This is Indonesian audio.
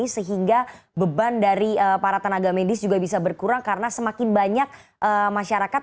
sehingga beban dari para tenaga medis juga bisa berkurang karena semakin banyak masyarakat